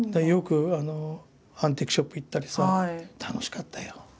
よくアンティークショップ行ったりさ楽しかったよ。